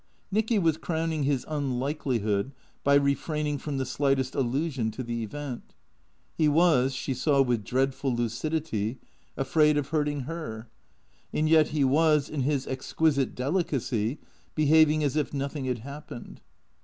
Nicky was crowning his unlikelihood by refraining from the slightest allusion to the event. He was, she saw with dreadful lucidity, afraid of hurting her. And yet, he was (in his ex quisite delicacy) behaving as if nothing had happened.